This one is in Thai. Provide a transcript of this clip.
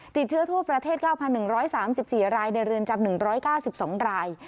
ติดเชื้อทั่วประเทศ๙๑๓๔รายในเรือนจำ๑๙๒ราย